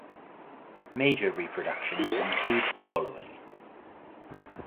Major reproductions include the following.